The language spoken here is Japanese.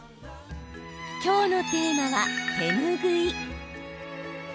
きょうのテーマは、手ぬぐい。